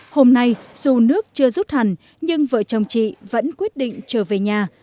hôm nay dù nước chưa rút hẳn nhưng vợ chồng chị vẫn quyết định trở về nhà